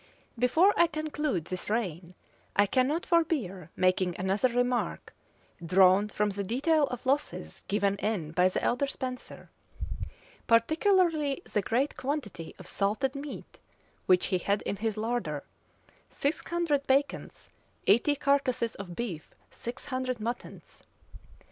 Before I conclude this reign, I cannot forbear making another remark, drawn from the detail of losses given in by the elder Spenser; particularly the great quantity of salted meat which he had in his larder, six hundred bacons, eighty carcasses of beef, six hundred muttons.